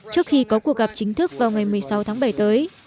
trước khi có cuộc gặp chính thức vào ngày một mươi sáu tháng bảy tới